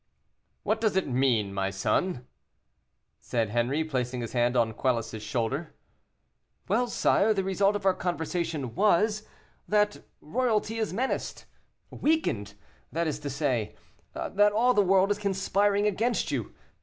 "What does it mean, my son?" said Henri, placing his hand on Quelus's shoulder. "Well, sire, the result of our conversation was, that royalty is menaced weakened, that is to say, that all the world is conspiring against you.